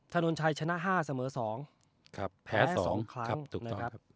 ถนนชัยชนะ๕เสมอ๒แพ้๒ครั้งถูกนะครับ